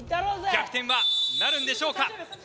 逆転はなるんでしょうか？